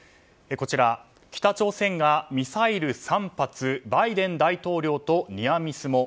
北朝鮮がミサイル３発バイデン大統領とニアミスも。